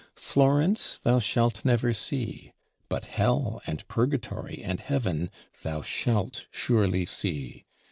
Florence thou shalt never see: but Hell and Purgatory and Heaven thou shalt surely see!